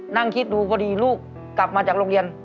นั่งคิดดูพอดีลูกกลับมาจากโรงเรียน